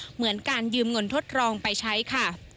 เหมือนการยืมเงินทดลองไปใช้ค่ะ